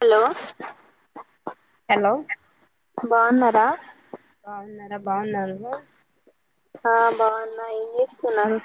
Hello hello బాగున్నారా బాగున్నారా బాగున్నారుగ ఆ బావున్నా ఏం చేస్ స్తున్నారు.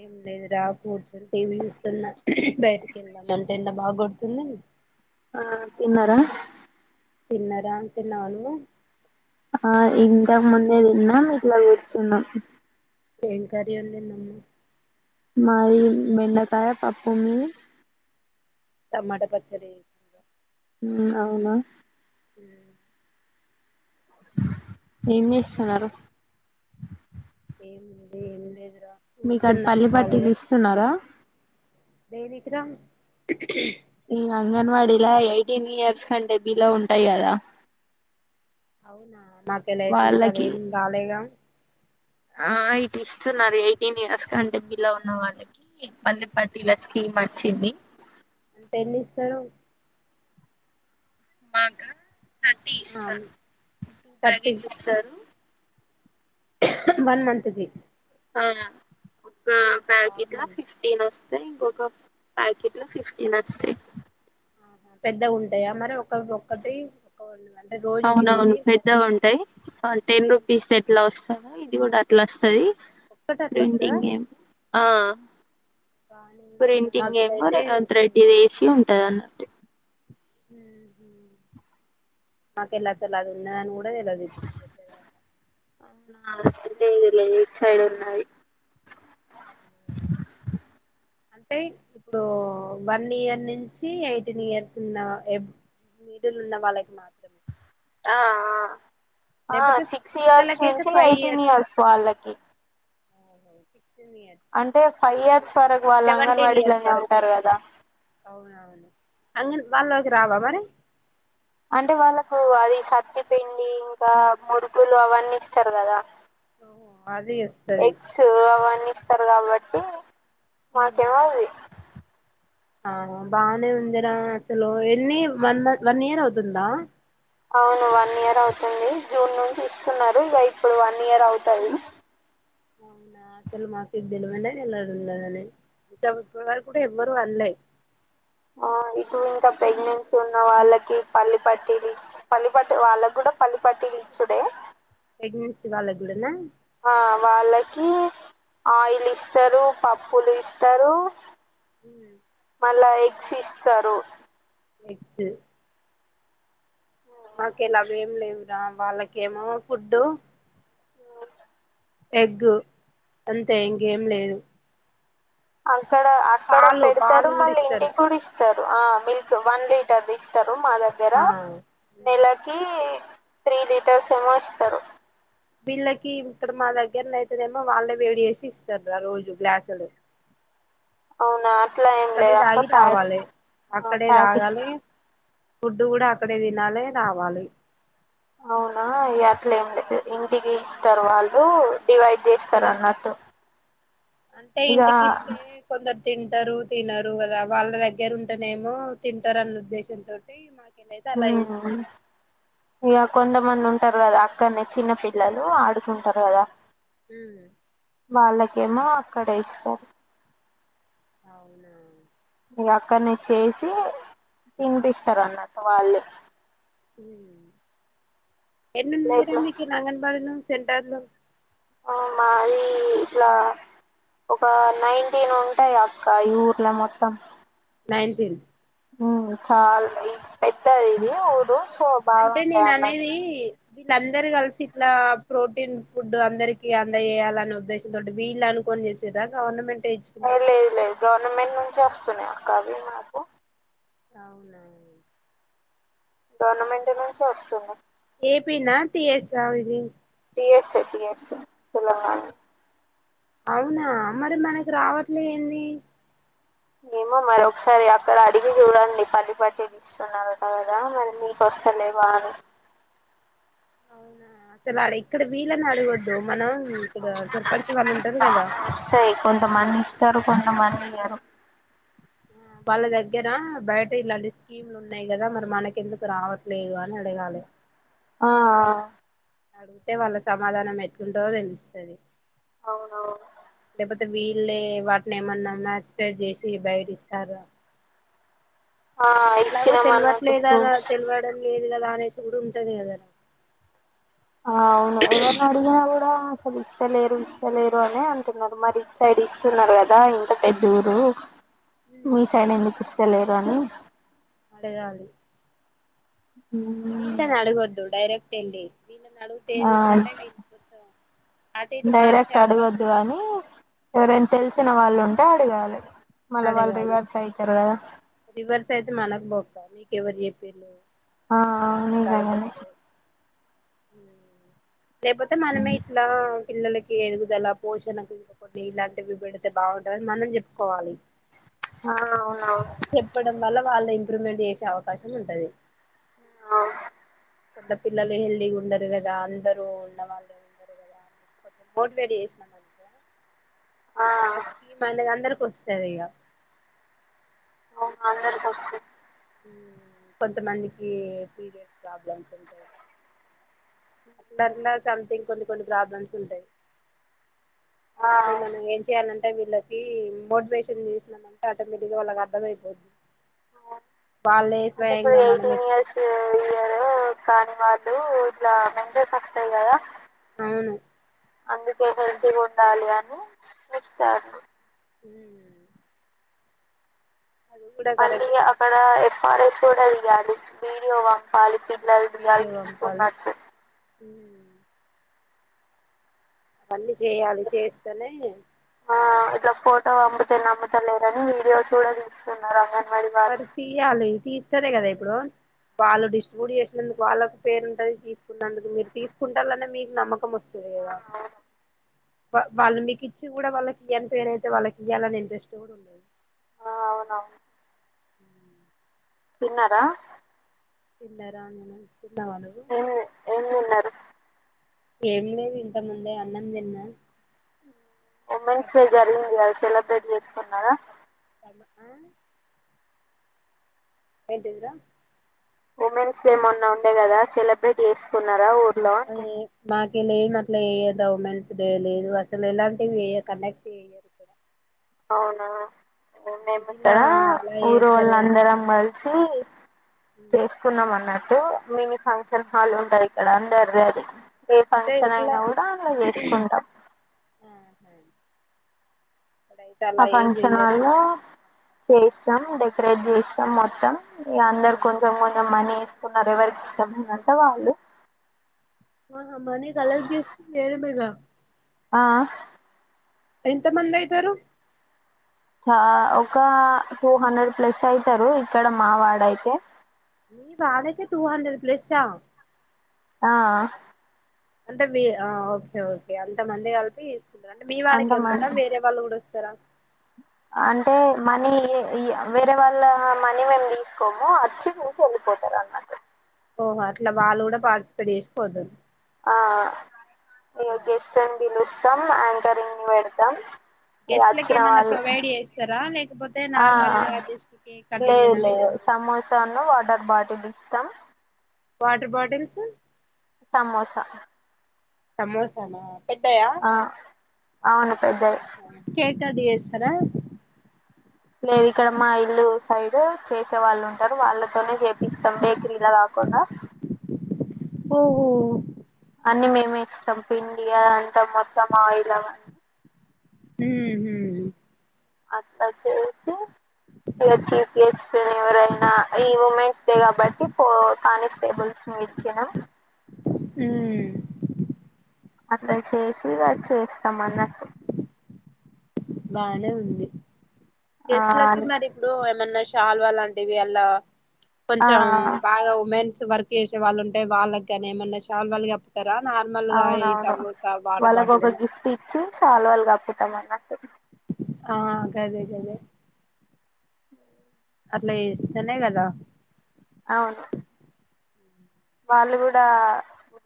ఏం లేదు రా కూర్చొని టీవీ చూస్తున్నా, బయటికి వెళ్దాం అంటే ఎండ బాగోడుతుందన్ ఆ తిన్నారా తిన్నరా అంటున్నావా నువ్వు ఆ ఇంతక ముందే తిన్నాం ఇట్లా కూర్చున్నాం ఏం కర్రీ వండిది అమ్మ మాది బెండకాయ పప్పు మీది టమాట పచ్చడి అవునా హ ఏం చేస్తున్నారు ఏం ఏం లేదు మీకు అది పల్లీ పట్టీలు ఇస్తున్నారా దేనికి రా ఈ అంగన్వాడీలా ఎయిటీన్ ఇయర్స్ కంటే బిలో ఉంటాయి కదా అవునా మా కళ్ళ అయితే ఇంకా వాళ్ళకి అదేం రాలేగా ఆ ఇటు ఇస్తున్నారు ఎయిటీన్ ఇయర్స్ కంటే బిలో ఉన్న వాళ్ళకి పళ్ళీ పట్టీల స్కీమ్ వచ్చింది ఎన్ని ఇస్తారు మాక థర్టీ ఇస్తారు టూ థర్టీ ప్యాకెట్స్ ఇస్తారు వన్ మంత్ కి ఆ గా ప్యాకిటా ఫిఫ్టీన్ వస్ ఇంకొక ప్యాకెట్ లో ఫిఫ్టీన్ వస్తాయి ఆ పెద్దగ ఉంటాయా మరి ఒక ఒక్కటి ఒక అంటే రోజు అవునవును తినేది పెద్ద ఉంటాయి టెన్ రుపీస్ కెట్లా వస్తాయి ఇది కూడా అట్లా వస్తుది ఒక్కటి అట్లా వస్తదా ప్రింటింగ్ ఏం ఆ బానే ఉందిరా ప్రింటింగ్ ఏమో నాకైతే త్రెడ్డి వేసి ఉంటది అన్నట్టు మాకు ఇల అసలు ఇల ఉన్నదాని కూడా తెలవదు ఊ అవునా లేదు లే ఇటు సైడ్ ఉన్నాది అంటే ఇప్పుడు వన్ ఇయర్ నుంచి ఎయిటీన్ ఇయర్స్ ఉన్న మిడిల్ ఉన్న వాళ్ళకి మాత్రమే హా ఆ ఆ లేకపోతే సిక్స్ ఇయర్స్ పిల్లలకైతే నుంచి ఎయిటీన్ ఇయర్స్ వాళ్ళకి ఓహో అంటే ఫైవ్ ఇయర్స్ వరకు వాళ్ళు సెవన్ టెన్ ఇయర్స్ అంగన్వాడీలోనే వరకు ఉంటారు కదా అంగన్వాడి బల్లో కి రావా మరి అంటే వాళ్ళకు అది సద్ది పిండి ఇంకా మురుకులు అవన్నీ ఇస్తారు కదా ఓహో అది వస్తది ఎగ్స్ అవన్నీ ఇస్తారు కాబట్టి మాకివ్వదు అది ఆ బానే ఉందిరా అసలు ఎన్ని వన్ వన్ ఇయర్ అవుతుందా అవును వన్ ఇయర్ అవుతుంది జూన్ నుంచి ఇస్తున్నారు ఇక ఇప్పుడు వన్ ఇయర్ అవుతది అవునా అసలు మాకిది తెల్వనే తెల్వదున్నదని ఇక ఇప్పటి వరుకూ ఎవ్వరు అన్లే ఆ ఇప్పుడు ఇంక ప్రెగ్నెన్సీ ఉన్న వాళ్ళకి పల్లి పట్టీలు పల్లి పట్టి వాళ్ళకి కూడా పల్లి పట్లు ఇచ్చుడే ప్రెగ్నెన్సీ వాళ్ళక్కూడానా ఆ వాళ్ళకి ఆయిల్ ఇస్తారు పప్పులు ఇస్తారు ఉమ్, మళ్ళా ఎగ్స్ ఇస్తారు ఎగ్స్ మాకేలవేం లేవురా వాళ్ళకేమో ఫుడ్డు ఎగ్ అంతే ఇంకేం లేదు అన్ [unintelligible] క్కడ అక్కడ పాలు పెడతాడు పాలు కూడా మళ్ళీ ఇస్తారు ఇంటికి కూడా ఇస్ స్తారు ఆ మిల్క్ వన్ లీటర్ దిస్తారు మా దగ్గర ఆ ఉమ్. నెలకి త్రీ లీటర్స్ ఏమో ఇస్తారు వీళ్ళకి ఇప్పుడు మా దగ్గర అయితేనేేమో వాళ్ళే వేడి చేసి ఇస్తారు ఆ రోజు గ్లాసులు అవునా అట్లా ఏం అక్కడే లేదుక్క తాగి ప్యా రావాలి ఆ అక్కడే ప్యాకెట్ తాగాలి ఫుడ్ కూడా అక్కడే తినాలి రావాలి అవునా ఇ అట్లే ఏం లేదు ఇంటికి ఇస్తారు వాళ్ళు డివైడ్ ఇక్కడ చేస్తారు అన్నట్టు అంటే ఇక ఇంటికిస్తే కొందరు తింటారు తినరు కదా వాళ్ళ దగ్గర ఉంటేనే ఏమో తింటారు అన్న ఉద్దేశం తోటి మాకు హ ఇక కొంతమంది ఉ టారు కదా అక్కడనే చిన్న పిల్లలు ఆడుకుంటారు కదా మ్మ్ వాళ్ళకేమో అక్కడే ఇస్తారు అవునా ఇగ అక్కడనే చేసి తినిపిస్తారు అన్నట్టు వాళ్ళే హ ఎన్నున్నయ్ రా ప్లేట్లో మీకి నంగన్ బడిలు సెంటర్ లో అ మాది ఇట్లా ఒక నైన్టీన్ ఉంటాయి అక్క ఈ ఊర్లో మొత్తం నైన్టీన్ చాల పెద్దదిది ఊరు సో బాగా ఉంటయి అన్నట్టు వీళ్ళందరు కలిసి ఇట్లా ప్రోటీన్ ఫుడ్ అందరికీ అందజేయాలనే ఉద్దేశంతో వీళ్ళు అనుకోని చేసేదా గవర్నమెంట్ టే ఇచ్చిందా లేదు లేదు గవర్నమెంట్ నుంచి వస్తున్నాయి అక్క అవి మాకు అవునా గవర్నమెంట్ నుంచి వస్తుంది ఏ పి నా టి యస్ ఆ మీది టి యస్ టి యస్ ఏ తెలంగాణ అవునా మరి మనకి రావట్లే ఏంది ఏమో మరి ఒకసారి అక్కడ అడిగి చూడండి పని పట్టి ఇస్తున్నారట కదా మరి మీకు వస్తలే వా అని అవునా అతలాడే ఇక్కడ వీలని అడగొద్దు మనం ఇక్క సర్పంచ్ వాళ్ళు ఉంటారు గదా కొంత మంది ఈయరు వాళ్ళ దగ్గర బయట ఇలాంటి స్కీమ్లు ఉన్నాయి కదా మరి మనకెందుకు రావట్లేదు అని అడగాలే ఆ అలా అడిగితే వాళ్ళ సమాధానం ఎట్లుంటదో తెలుస్తది అవునవును లేకపోతే వీళ్ళే వాటిని ఏమన్నా మ్యాచ్ టైర్ చేసి బయట ఇస్తారో ఆ ఎట్లాగో ఇచ్చినాం అన్నట్టు తెలివట్లే గదా ఫ్రూట్స్ తెలివడం లేదు గదా గుడా ఉంటది కదనే ఆ అవును ఎవర్ని అడిగిన గుడా ఇస్తలేరు ఇస్తలేరు అని అంటున్నారు. మరి ఇటు సైడ్ ఇస్తున్నారు కదా ఇంత పెద్ద ఊరు మీ సైడ్ ఎందుకు ఇస్తలేరూ రాను అడగాలి ఉమ్, రీసన్ అడగద్దు డైరెక్ట్ టెండీ వీళ్ళని అడుగుతే ఏం ఆ చెప్తారంటే వీళ్ళు అటు ఇటు మార్చే డైరెక్ట్ అవకాశం అడగొద్దు ఉన్ అని ఎవరైనా తెలిసిన వాళ్ళు ఉంటే అడగాలి మళ్ళా వాళ్ళు అడగాలి రివర్స్ అయితారు కదా రివర్స్ అయితే మనకు బొక్క అది ఎవరు చెప్పిండూ ఆ ఎన్నై కాడిక్ నిజంగానే బస్సు హ [unintelligible] లేకపోతే మనమే ఇట్లా పిల్లలకి ఎదుగుదల పోషణకు ఇంకొకటి ఇలాంటివి పెడితే బాగుంటదని మనం చెప్పుకోవాలి ఆ అవునవును చెప్పడం వల్ల వాళ్లే ఇంప్రూవ్మెంట్ చేసే అవకాశం ఉంటది ఆ కొంత పిల్లలు హెల్దీగా ఉండరు కదా అందరూ ఉన్న వాళ్ళే ఉండరు కదా ఆ, అచ్చి మన దందరం వస్తదిగా అవున్ అందరికి వస్తది కొంతమందికి పీరియడ్స్ ప్రాబ్లమ్స్ ఉంటాయ్ అట్లా సమ్థింగ్ కొన్ని కొన్ని ప్రాబ్లమ్స్ ఉంటాయ్ ఆ వత్తే మనం ఏం చేయ్యాలండి వీళ్ళకి మోటివేషన్ చేసినమంటే ఆటోమేటిక్గా వాళ్ళకి అర్థమై పోతుంది ఆ అంటే ఇప్పుడు ఎయిటీన్ ఇట్లా ఇయర్స్ అయ్యారు కానీ వాళ్ళు ఇట్లా మెంగస్ వస్తాయి కదా అవును అందుక్ ఏమో హెల్తీగా ఉండాలి అని ఇన్కెస్తారు. ఉమ్ అది కూడా మళ్ళీ అ కరెక్టే అక్కడ ఎఫ్ ఆర్ ఎ స్ట్ తొడెయ్యాలీ వీడియో వంపాలీ పిక్ లైడు లైడు తీసుకున్నటూ హ్మ్ మ్ అవన్నీ చేయాలి చేస్తేనే ఆ ఇప్పుడు ఒక ఫోటో అమ్ముతే నమ్ముతలేరని వీడియోస్ కూడా తీస్తున్నారు ఆమెని అది తియాలీ తీస్ తనే కదా ఇప్పుడు వాళ్ళు డిస్ట్రిబ్యూట్ చేసినందుకు వాళ్ళకు పేరుంటది తీసి న్నందుకు మీరు తీసుకుంటాలనే మీ నమ్మకం వస్తది కదా వాళ్ళు మీకిచ్చి కూడా వాళ్ళకి ఇయ్యని పేరయితే వాళ్ళకి ఇయ్యాలని ఇంట్రెస్ట్ ఆ అవును తిన్నారా తిన్నారాండి తిన్నావా మరి న్నారు ఏం లేదు ఇంత ముందే అన్నం తిన్న ఉమెన్స్ డే జరిగింది అది సెలబ్రేట్ చేస్ కొన్నారా [inaudible] ఏంటిదిరా ఉమెన్స్ డే మొన్న ఉండే కదా సెలబ్రేట్ చేసుకున్నారా ఒ [unintelligible] ఇలేం అట్లా ఎయదు ఉమెన్స్ డే లేదు అసలు ఏలాంటివి ఏవి కండక్ట్ చెయ్యా అవునా మేము ఇక్కడ అలా ఊరు చేస్తారు కానీ వాళ్ళందరం కలిసి చేసుకున్నాం అన్నట్టు [unintelligible] మినీ ఫంక్షన్ హాల్ ఉంటదిక్కడ అందరిది అది ఏ అంటే ఫంక్షన్ ఇట్లా అయినా కూడా అందలా చేసుకుంటాం ఆహా ఇక్కడైతే ఆ అలా ఏం ఫంక్షన్ చెయ్యరు హాలో చేస్తాం డెకరేట్ చేస్తాం మొత్తం ఇగ అందరు కొంచం కొంచం మనీ చెసుకున్నారు ఎవరికి ఇష్టముందంత వాళ్ళు ఆ మరి అలగ దసు నడ మగా ఆ ఎంత మంది అయితారు చా ఒక టూ హండ్రెడ్ ప్లస్ అయితారు ఇక్కడ మా వాడ అయితే మీ వాాళకి టూ హండ్రెడ్ ప్లేస్ హా ఆ అంత వే ఓకే ఓకే అంత మంది కలిపి మీ వాడికి ఉంటుందా అంతమంది వేరే వాళ్ కూడా తరా అంటే మనీ వేరే వాళ్ళ మనీ మేము తీసుకోము, వచ్చి చుసి వెళ్ళిపోతారు అన్నట్ ఓహో అట్లా వాళ్ళు కూడా పార్టిసిపేట్ చేసి పోతరు ఆ ఇయో ఇస్త [unintelligible] సమ్ అంకరింగ్ ని పెడతాం ఇగ గెస్ట్లలకు వచ్చిన ఏమైన్నా వాళ్ళు ప్రొవైడ్ చేస్తారా, లేకపోతే ఆ నార్మల్గా దెస్ట్కి లేదు కటింగ్నా ఏమన్నా చే దిస్తతాం వాటర్ బాటిల్స్ సమోసా సమోసనా ఆ అవును పెద్దది ది వస్తార లేదు ఇక్కడ మా ఇల్లు సైడ్ చేసే వాళ్ళు ఉంటారు, వాళ్ళతోనే చేపిస్తాం బేకరీలా కాకుండా ఓహో అన్ని మేమే ఇస్తాం పిండియా అంతా మొత్తం ఆయిల్ అవన్నీ మ్ హు అట్ట చేసే ఇ చీఫ్ గెస్ట్ ఎవరైనా ఈ ఉమెన్స్ అంతే కాబట్టి పో కానిస్టేబుల్స్ ను ఇచ్చిన మ్ అందు చేసి వా చేస్తాం అన్నట్టు బానే ఉంది ఆ గెస్ట్ లకి మరి ఇప్పుడు ఏమన్నా చాలువలాంటివి ఎలా ఆ కొంచెం బాగా ఉమెన్ కొంచెం వర్క్ చేసే వాళ్ళు ఉంటే వాళ్ళకి గాని ఏమన్నా శాలువాలు కప్పుతారు అవునవును వాళ్ళకు బాటిల్ ఒక ఏనా గిఫ్ట్ ఇచ్చి శాలువాలు కప్పు నువ్వన్నట్టు ఆ గదే గదే అట్లా ఇస్తేనే కదా అవును వాళ్ళు కూడా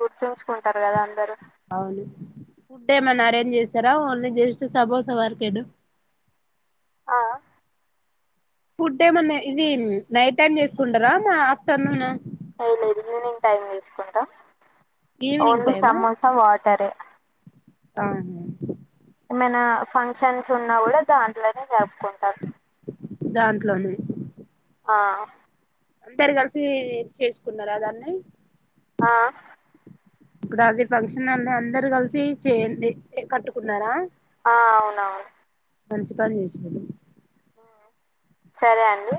గుర్తుంచుకుంటారు కదా అందరూ అవును ఫుడ్ ఏమైన్నా అరేంజ్ చేస్తారా ఓన్లీ జస్ట సమోసా వరకేనా ఆ ఫుడ్ ఏమన్నా ఇది నైట్ టైమ్ చేసుకుంటారా మా ఆఫ్టర్నూనా ఏం లేదు ఈవినింగ్ టైమ్ తీసుకుంటా ఈవినింగ్ ఓన్లీ సమోసా వాటరే ఆ ఏమైనా ఫంక్షన్స్ ఉన్నా కూడా దాంట్లోనే జరుపుకుంటారు దాంట్లోనే ఆ అందరు కలిసి చేసుకున్నారా దాన్ని ఆ ఇప్పుడు అది ఫంక్షన్ అని అందరు కలిసి చేయండి కట్టుకున్నారా ఆ అవునవును మంచి పని చేసడు సరే అండి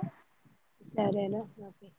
సరేనా ఓకే